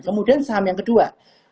kemudian saham yang kedua